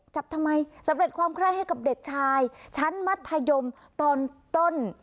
ทำไมสำเร็จความไคร้ให้กับเด็กชายชั้นมัธยมตอนต้น